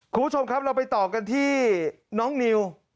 คุณผู้ชมครับเราไปต่อกันที่น้องนิว